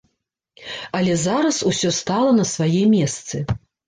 Але зараз усё стала на свае месцы.